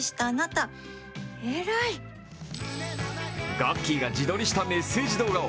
ガッキーが自撮りしたメッセージ動画を